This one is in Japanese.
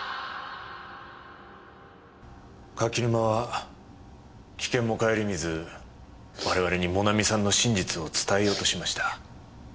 柿沼は危険も顧みず我々にもなみさんの真実を伝えようとしました。